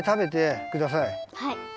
はい。